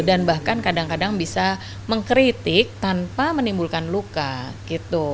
dan bahkan kadang kadang bisa mengkritik tanpa menimbulkan luka gitu